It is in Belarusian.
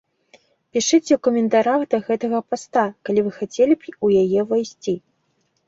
Пішыце ў каментарах да гэтага паста, калі вы хацелі б у яе увайсці.